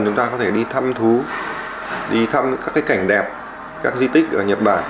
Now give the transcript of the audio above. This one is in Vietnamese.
chúng ta có thể đi thăm thú đi thăm các cái cảnh đẹp các di tích ở nhật bản